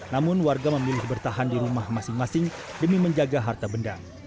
namun warga memilih bertahan di rumah masing masing demi menjaga harta benda